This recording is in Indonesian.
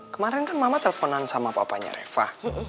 kemaren kan mama telponan sama papanya reva